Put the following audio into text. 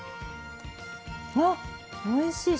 わっおいしい。